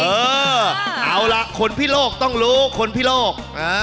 เออเอาล่ะคนพิโลกต้องรู้คนพิโลก